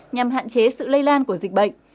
nhằm hạn chế sự lây lan của dịch bệnh